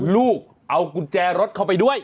ลูกเอากุญแจรถเข้าไปด้วย